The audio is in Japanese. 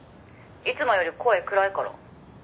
「いつもより声暗いから」